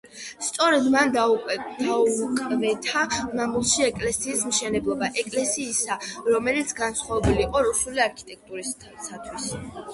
სწორედ მან დაუკვეთა მამულში ეკლესიის მშენებლობა, ეკლესიისა, რომელიც განსხვავებული იყო რუსული არქიტექტურისათვის.